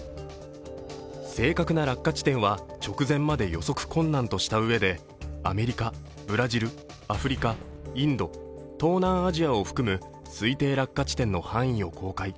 正確な落下地点は直前まで予測困難としたうえで、アメリカ・ブラジル・アフリカインド・東南アジアを含む推定落下地点の範囲を公開。